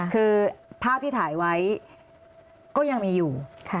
คือภาพที่ถ่ายไว้ก็ยังมีอยู่